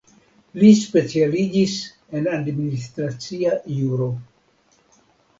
Li specialiĝis en Administracia Juro.